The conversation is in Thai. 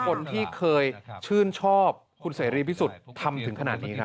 คนที่เคยชื่นชอบคุณเสรีพิสุทธิ์ทำถึงขนาดนี้ครับ